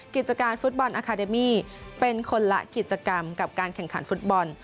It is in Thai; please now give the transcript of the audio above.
กิจการฟุตบอลอาคาเดมี่เป็นคนละกิจกรรมกับการแข่งขันฟุตบอล